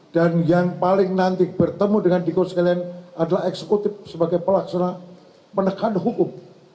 dan yang paling nanti bertemu dengan dikot sekalian adalah eksekutif sebagai pelaksana penekan hukum